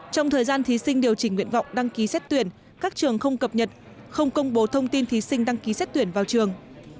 trong thời gian thí sinh điều chỉnh nguyện vọng đăng ký xét tuyển các trường không cập nhật không công bố thông tin thí sinh đăng ký xét tuyển vào trường